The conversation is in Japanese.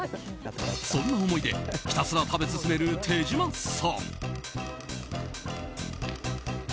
そんな思いでひたすら食べ進める手島さん。